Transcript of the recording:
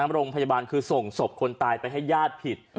โรงพยาบาลคือส่งศพคนตายไปให้ญาติผิด